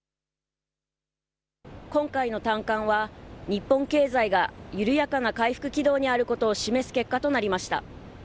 今回の短観は日本経済が緩やかな回復軌道にあることを示す結果となりました。